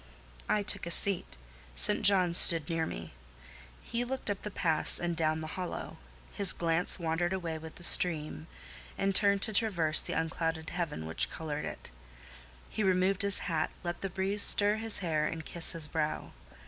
I took a seat: St. John stood near me. He looked up the pass and down the hollow; his glance wandered away with the stream, and returned to traverse the unclouded heaven which coloured it: he removed his hat, let the breeze stir his hair and kiss his brow.